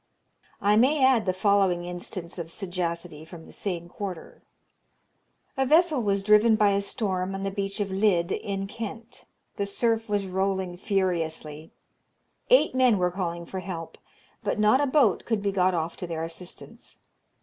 I may add the following instance of sagacity from the same quarter. A vessel was driven by a storm on the beach of Lydd, in Kent. The surf was rolling furiously. Eight men were calling for help, but not a boat could be got off to their assistance.